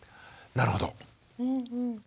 なるほど。